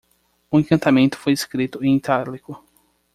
O encantamento foi escrito em itálico.